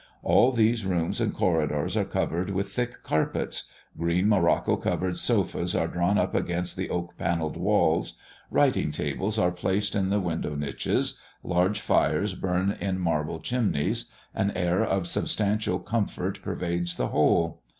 All these rooms and corridors are covered with thick carpets; green morocco covered sofas are drawn up against the oak panelled walls; writing tables are placed in the window niches; large fires burn in marble chimneys; an air of substantial comfort pervades the whole.